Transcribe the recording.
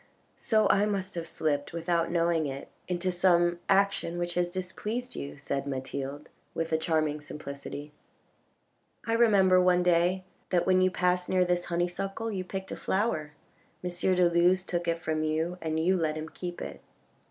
"So I must have slipped, without knowing it, into some action which has displeased you," said Mathilde with a charming simplicity. " I remember one day that when you passed near this honeysuckle you picked a flower, M. de Luz took it from you and you let him keep it.